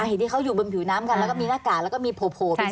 อ่าทีนี้เขาอยู่บนผิวน้ำกันแล้วก็มีหน้ากากแล้วก็มีโผล่พิสาวอันนึง